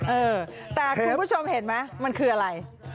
เออแต่คุณผู้ชมเห็นไหมมันคืออะไร